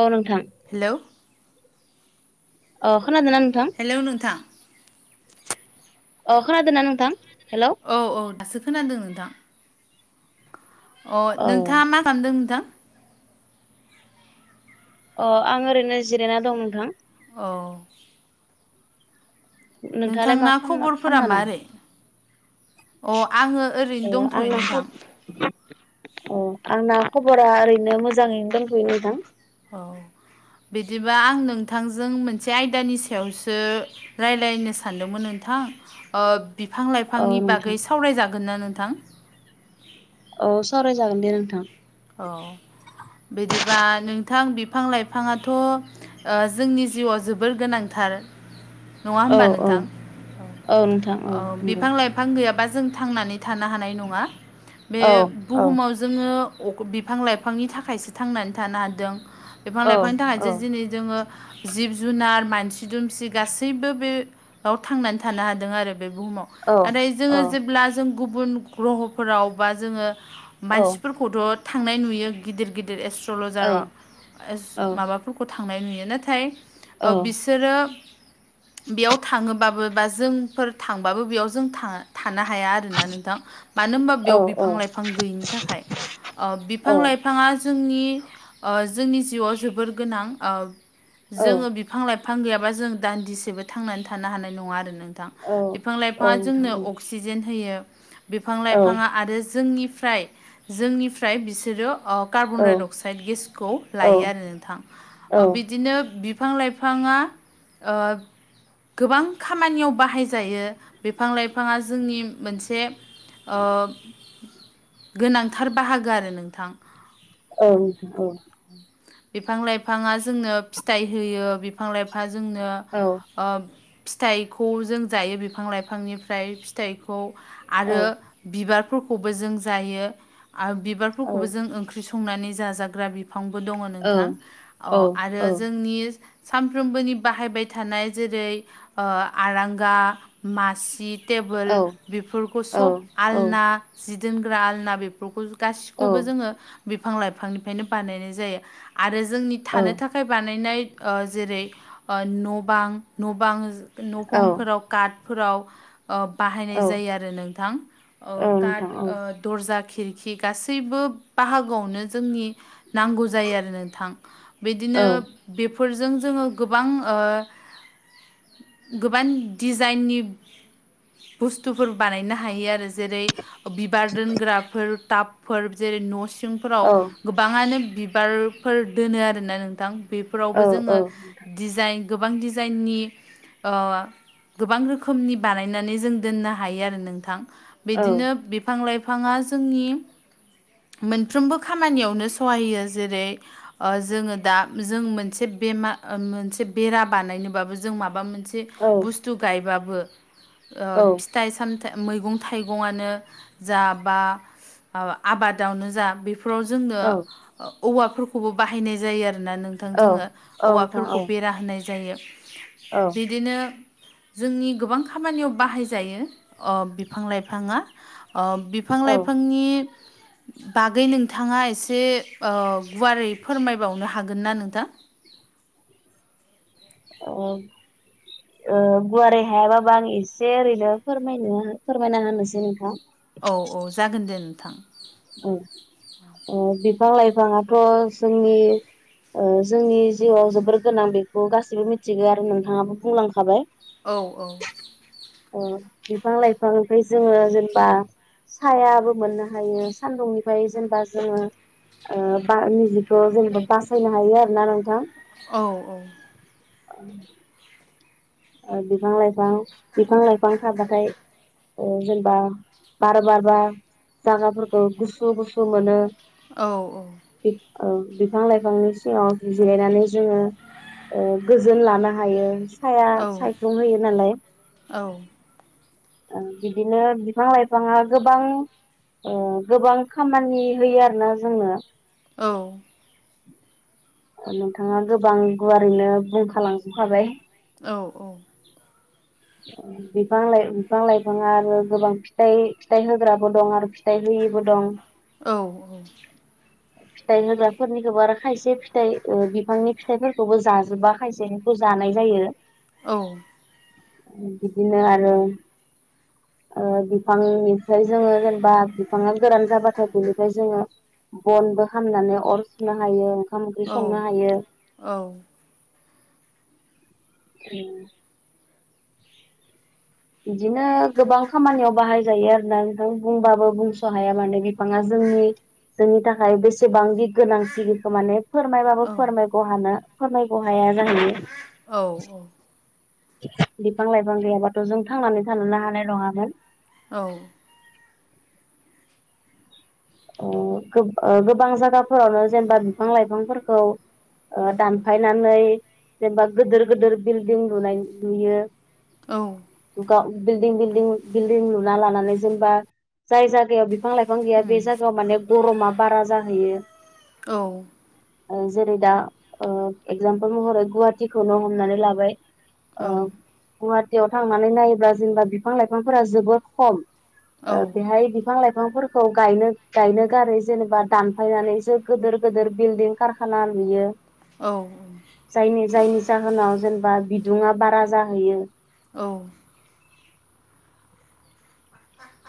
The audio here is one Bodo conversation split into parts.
औ नोंथां। हेल' अ खोनादोंना नोंथां। हेलौ नोंथां अ खोनादो ना नोंथां हेल' औ औ दासो खोनादो नोंथां। अ औ नोंथाङा मा खालामदों नोंथां? अ आं ओरैनो जिरायना दं नोंथां। अ नोंथाङालाय मा नोंथांना खामना- खबरफोरा खामना दं? मारै अ आङो ओरैनो अ दंथ'यो आं नोंथां [unintelligible] अ आंना खबरा ओरैनो मोजाङैनो दोंथ'यो नोंथां। औ बिदिबा आं नोंथांजों मोनसे आयदानि सायावसो राइरायनो सानदोंमोन नोंथां ओ बिफां लाइफांनि औ नोंथां बागै सावरायजागोन ना नोंथां? औ सावरायजागोन दे नोंथां। अ बिदिबा नोंथां बिफां लाइफाङाथ' ओ जोंनि जिउआव जोबोर गोनांथार नङा औ होमबा औ नोंथां? औ, औ बिफां लाइ फां गैयाबा जों थांनानै थानो हानाय नङा बे औ औ बुहुमाव जोङो बिफां लाइफांनि थाखायसो थांनानै थानो हादों बिफां औ लाइफांनि औ थाखायसो दिनै जोङो जिब जुनार मानसि दुमसि गासैबो बे याव थांनानै थानो हादों आरो बे बुहुमाव औ नाथाय जोङो जेब्ला जों गुबुन ग्रहफोराव बा जोङो औ मानसिफोरखौथ' थांनाय नुयो। गिदिर गिदिर एस्ट्रलजारा एस औ माबाफोरखौ थांनाय नुयो नाथाय। ओ बिसोरो बेयाव थाङोबाबो बा जोंफोर थांबाबो बेयाव जों था-थानो हाया आ रोना नोंथां, मानो होनबा बेयाव औ बिफां लाइफां गैयिनि थाखाय ओ बिफां लाइ फाङा जोंनि ओ जोंनि जिउआव जोबोर गोनां औ जोङो औ बि फां लाइफां गैयाबा जों दान्दिसेबो थांनानै थानो हानाय नङा आरो नोंथां। औ बिफां लाइफाङा नोंथां जोंनो औ अक्सिजेन होयो, बिफां औ लाइफाङा आरो जोंनिफ्राय जोंनिफ्राय बिसोरो अ कार्बन डाय अक्साइड गेसखौ औ लायो आरो नोंथां ओ औ बिदिनो। बिफां लाइफाङा ओ गोबां खामानियाव बाहायजायो बिफां लाइफाङा जोंनि मोनसे ओ गोनांथार बाहागो आरो नोंथां। औ बिफां लाइफाङा जोंनो फिथाइ होयो बिफां लाइफांआ जोंनो औ ओ फिथाइखौ जों जायो बिफां लाइफांनिफ्राय फिथाइखौ औ आरो बिबारफोरखौबो जों जायो आ औ बिबारफोरखौबो जों ओं ख्रि संनानै जाजाग्रा बिफांबो दङ' औ नोंथां अ औ आरो औ जोंनि सानफ्रोमबोनि बाहायबाय थानाय जेरै ओ आरांगा, मासि, टेबोल औ बेफोरखौ औ सब औ आलना जि दोनग्रा आलना बे फोरखौ गासिखौबो जोङो बिफां लाइफांनिफ्रायनो बानायनाय जायो। आरो जोंनि थानो था खाय बानायनाय ओ जेरै ओ न' बां न' बां औ न'फंफोराव कातफोराव ओ बाहायनाय जायो आरो नोंथां औ ओ काट नोंथां औ ओ दर्जा खिरखि गासैबो बाहागोआवनो जोंनि नांगौ जायो आरो नोंथां बिदिनो औ बेफोरजों जोङो गोबां ओ गोबां दिजाइननि बुस्थुफोर बानायनो हायो आरो जेरै बिबार दोनग्राफोर टाबफोर जेरै न' सिंफोराव औ गोबाङानो बिबारफोर दोनो आरोना नोंथां बेफोरावबो औ औ जोङो। डिजाइन गोबां डिजाइननि ओ गोबां रोखोमनि बानायनानै जों दोननो हायो आरो नोंथां। बिदिनो बिफां लाइफाङा जोंनि मोनफ्रोमबो खामानियावनो सहाय जेरै ओ जोङो दा जों मोनसे बेमा ओ मोनसे बेरा बानायनोबाबो जों माबा मोनसे औ बुस्थु गायबाबो ओ फिथाइ सामथाय मैगं थाइगङानो जा बा आबादावनो जा बेफोराव जोंनो औ नोंथां औवाफोरखौबो बाहायनाय जायो आरो। आरोना नोंथां औ जोङो औवाफोरखौ बेरा होनाय जायो औ बिदिनो। जोंनि गोबां खामानियाव बाहाय जायो बिफां लाइफाङा। बिफां औ लाइफांनि बागै नोंथाङा एसे गुवारै फोरमायबावनो हागोनना नोंथां। अ। गुवारै हायाबाबा आं एसे ओरैनो फोरमायनो फोरमायना होनोसै नोंथां। औ औ जागोन दे नोंथां। बिफां लाइफाङाथ' जोंनि जोंनि जिउआव जोबोर गोनां बेखौ गाैबो मिथिगौ आरो नोंथाङाबो बुंलांखाबाय। औ औ। औ बिफां लाइफां ओमफ्राय जोङो जेनेबा सायाबो मोननो हायो सान्दुंनिफ्राय जेनेबा जोङो। निजिखौ जेनेबा बासायनो हायो आरोना नोंथां। औ औ। बिफां लाइफां बिफां लाइफां थाबाथाय जेनेबा बार बारबा जाग्राफोरखौ गुसु गुसु मोनो औ औ। बिफां लाइफांनि सिङाव जिरायनानै जोङो। गोजोन लानो हायो साया सायखुम होयो नालाय। औ। बिदिनो बिफां लाइफाङा गोबां गोबां खामानि होयो आरोना जोंनो। औ। नोंथाङा गोबां गुवारैनो बुंखालांजोबखाबाय। औ औ। बिफां लाइफां बिफां लाइफाङा आरो गोबां फिथाइ फिथाइ होग्राबो दं आरो फिथाइ होयिबो दं। औ औ। फिथाइ होग्राफोरनिखौबो आरो खायसे फिथाइ बिफांनि फिथाइफोरखौबो जाजोबा खायसे खौ जानाय जायो। औ। बिदिनो आरो। बिफांनिफ्राय जोङो जेनेबा बिफाङा गोरान जाबाथाय बिनिफ्राय जोङो। बनबो खालामनानै अर सुनो हायो ओंखाम ओंख्रि संनो हायो। औ। [inaudible] बिदिनो गोबां खामानियाव बाहाय जायो आरोना नोंथां बुंबाबो बुंस' हाया माने बिफाङा जोंनि जोंनि थाखाय बेसेबांनि गोनांथि बेखौ माने। फोरमायबाबो औ फोरमायख' हानो फोरमायख' हाया जाहैयो। औ औ। बिफां लाइफां गैयाबाथ' जों थांनानै थानोनो हानाय नङामोन। औ। गोबां जायगाफोरावनो जेनेबा बिफां लाइफांफोरखौ। दानफायनानै जेनेबा गिदिर गिदिर बिल्डिं लुनाय लुयो औ बिल्डिं बिलडं बिल्डिं लुना लानानै जेनेबा जाय जायगायाव बिफां लाइफां गैया बे जायगायाव माने गरमा बारा जाहैयो औ जेरै दा एगजामपोल महरै गुवाहाटिीखौनो हमनानै लाबाय गुवाहाटियाव थांनानै नायोब्ला जेनेबा बिफां लाइफांफोरा जोबोर खम बेहाय बिफां लाइफांफोरखौ ायनो गायनो गारै जेनेबा दानफायनानैसो गिदोर गिदिर बिल्डिं कारखाना नुयो औ औ जायनि जायनि जाहोनाव जेनेबा बिदुङा बारा जाहैयो औ बा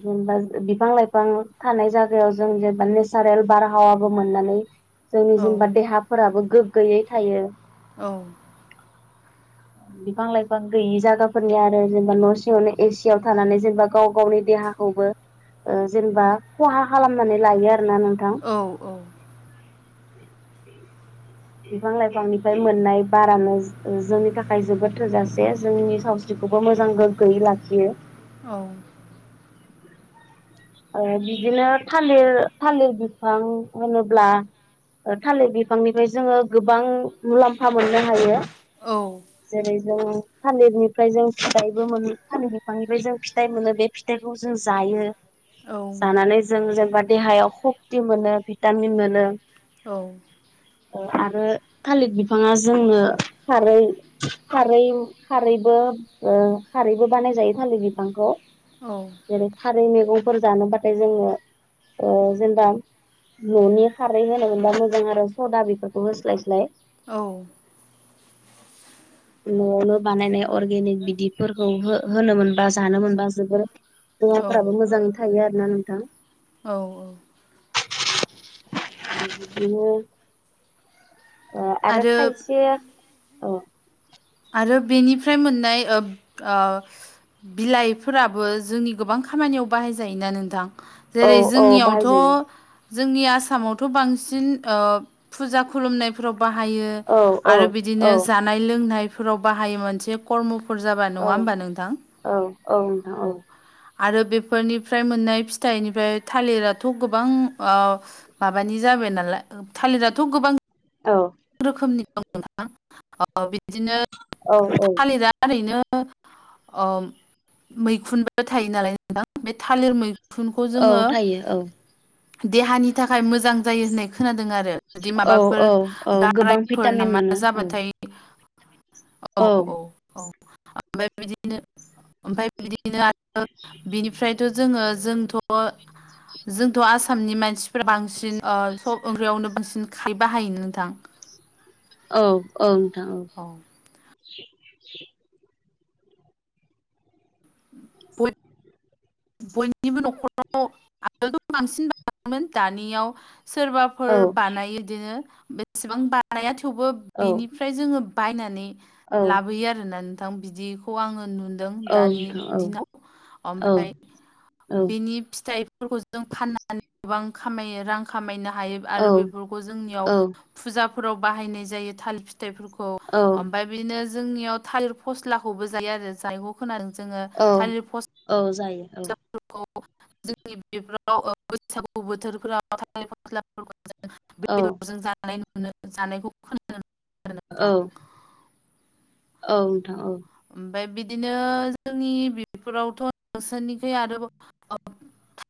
जेनेबा बिफां लाइफां थानाय जायगायाव जों जेनेबा नेसारेल बारा हहावाबो मोननानै जोंनि जेनेबा देहाफोराबो गोग्गोयै थायो औ बिफां लाइफां गैयि जायागाफोरनि आरो जेनेबा न' सिङावनो एसिव थानानै जेनेबा गाव गावनि देहा खौ जेनेबा खहा खालामनानै लायो आरोना नोंथां औ औ बिफां लाइफांनिफ्राय मोननाय बारानो जोंनि थाखाय जोबोद थोजासे जोंनि सावस्रि जखौबो मोजां गोग्गोयै लाखियो औ बिदिनो थालिर थालिर बिफां होनोब्ला थालिर बिफांनिफ्राय जोङो गोबां मुलाम्फा मोननो हायो औ जेरै जों थालिरनिफ्राय जों फिथाइबो मोन थालिर बिफांनिफ्राय जों फिथाइ मोनो बे फथखौ जों जायो जानानै जों जेनेबा देहायाव सक्ति मोनो भिटामिन मोनो औ आरो थालिर बिफाङा जोंनो खारै खार खारैबो खारैबो बानाय जायो थालिर बिफांखौ औ जेरै खारै मैगंफोर जानोबाथाय जोङो जेनेबा न'नि खारै होनो मोनबा मोजां आरो सदा बेफोरखौ होस्लायस्लाय औ न'आवनो बानायनाय अर्गेनिक बिदिफोरखौ होनो मोनबा जानो मोनबा जोबोर औ औ दवाफोराबो मोजांै थायो आरोोना नोंथां औ औ बि अ आरो खायसे अ आरो बेनिफ्राय मोननाय बिलाइफोराबो जोंनि गोबां खामानियाव बाहायजायोना नोंथां औ जेरै औ जोंनियावथ' बाहायजायो जोंनि आसामावथ' बांसिन फुजा खुलुमनाय ाव बायो औ आरो औ बिदिनो जानाय लोंनायफोराव बाहायो मोनसे कर्मफोर जाबा नङा औ होमबा नोंथां औ औ नोंथां औ आरो बेफोरनिफ्राय मोननाय फिथाइनिफ्राय थालिराथ' गोबां माबानि जाबाय नालाय थालिरथ' गोबां औ रोखोमनि दं नोंथां बिदिनो औ औ खालि दा ओरैनो अम मैखुनबो थायो नालाय नोंथां बे थालिर मैखुन मैखुनखौ औ जोङो थायो औ देहानि थाखाय मोजां जायो होननाय खोनादों आरो जुदि औ माबाफोर औ औ गोबां गारायफोर भिटामिन नामा मोनो औ जाबाथाय औ औ औ ओमफ्राय बिदिनो ओमफ्राय बिदिनो आरो बिनिफ्रायथ' जोङो जोंथ' जोंथ' आसामनि मानसिफोरा्रा बांसिन सब ओंख्रियावनो बांसिन खारै बाहायो नोंथां औ औ नोंथां औ औ बय बयनिबो न'खराव आगोलथ' बांसिन बोन दानियाव सोरबा फोर औ बानायो बिदिनो बेसेबां बानाया थेवबो औ बिनिफ्राय जोङो बायनानै औ लाबोयो आरोना नोंथां बिदिखौ आङो नुदों दानि नोंथां औ दिनाव औ औ ओमफ्राय औ बिनि फिथाइ बेफोरखौ जों फाननानै गोबां खामायो रां खामायनो हायो आरो औ बेफोरखौ जोंनियाव औ फुजाफोराव बाहायनाय जायो थाल फिथाइफोरखौ ओमफफ्राय बिदिनो जोंनियाव थालिर फस्लाखौबो जायो आरो जायखौ खोनादों जोङो। औ औ जायो औ फोरखौ जोंनि बेफोराव बैसागु बोथोरफोरावां थालेर मस्लाों औ औ बेदरजों [unintelligible] जानायखौ खोनानो औ औ नोंथां औ ओमफ्राय बिदिनो जोंनि बिफोरावथ' नसोरनिखै आरोबाव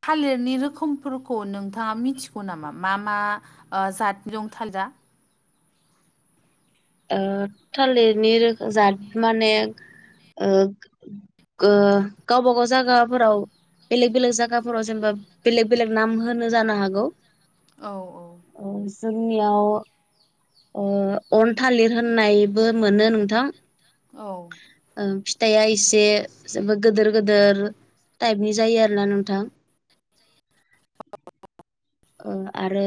थालिरनि रोखोमफोरखौ नोंथाङा मिथिगौ नामा मा मा जाद दं थालिरा? ओ थालिरनि रोखोम जाद माने ओ गावबा गाव जायगाफोराव बेलेग बेलेग जायगाफोराव जेनेबा बेलेग बेलेग नाम होनो जानो हागौ। औ औ अ जोंनियाव ओ अन थालिर होननायबो मोनो नोंथां औ ओं फिथाइया एसे जेबो गिदिर गिदिर टाइपनि जायो आरोना नोंथां। औ आरो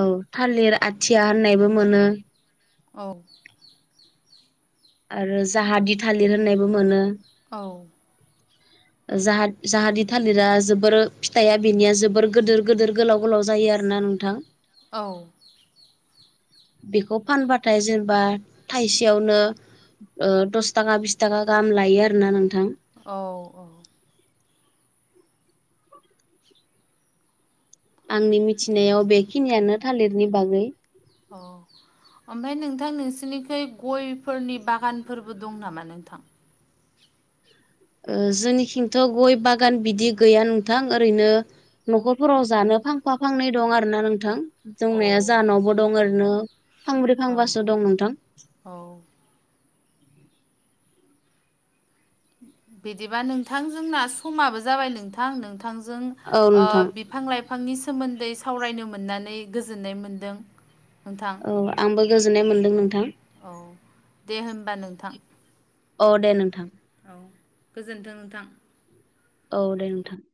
औ थालिर आथिया होननायबो मोनो औ आरो जाहादि थालिर होननायबो मोनो औ जाहादि थालिरा जोबोर फिथाइा बेनिया जोबोर गोदोर गोदोर गोलाव गोलाव जायो आरो ना नों थां औ बेखौ फानबाथाय जेनेबा थाइसेयावनो दस थाखा बिस थाखा गाहाम लायो आरोना नोंथां औ औ आंनि मिथिनायाव बेखिनियानो थालिरनि बागै औ ओमफ्राय नोंथां नोंसिरनिखै गयफोरनि बागानफोरबो दं नामा नोंथां? ओ जोंनिखिंथ' गय बागान बिदि गैया नोंथां ओरैनो न'खरफोराव जानो फांफा फांनै दं आरो ना नोंथां। औ दंनाया जानावबो दं ओरैनो फांब्रै औ फांबासो दं नोंथां औ बिदिबा नोंथांजोंना समाबो जाबाय नोंथां नोंथांजों औ ओ नोंथां बि फां लाइफांनि सोमोन्दै सावरायनो मोननानै गोजोननाय मोन्दों नोंथां औ आंबो गोजोननाय मोन्दों नोंथां औ दे होनबा नोंथां अ दे नोंथां औ गोजोनथों नोंथां। औ दे नोंथां